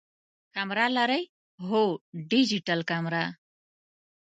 کمره لرئ؟ هو، ډیجیټل کمره